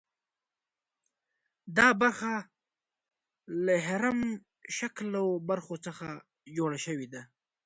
دا برخه له هرم شکلو برخو څخه جوړه شوې ده.